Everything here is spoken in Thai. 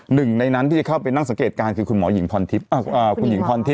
หนึ่งในนั้นที่จะเข้าไปนั่งสังเกตการณ์คือคุณหญิงพรทิพย์